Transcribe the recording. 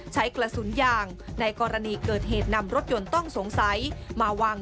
ใช้กระสุนยางในกรณีเกิดเหตุนำรถยนต์ต้องสงสัยมาวาง